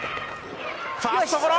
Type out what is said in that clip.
ファーストゴロ！